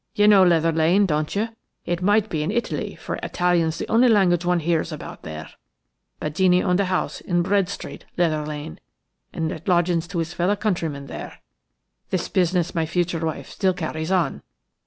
You know Leather Lane, don't you? It might be in Italy, for Italian's the only language one hears about there. Badeni owned a house in Bread Street, Leather Lane, and let lodgings to his fellow countrymen there; this business my future wife still carries on.